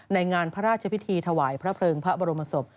ในงานพระราชพิธีถวายพระเพลิงพระบรมศพ